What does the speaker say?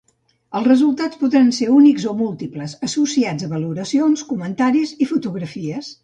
Els resultats podran ser únics o múltiples, associats a valoracions, comentaris i fotografies.